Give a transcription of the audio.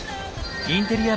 インテリア